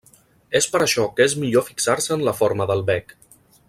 És per això que és millor fixar-se en la forma del bec.